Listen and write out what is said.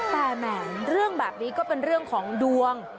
แต่แหมเรื่องแบบนี้ก็เป็นเรื่องของดวง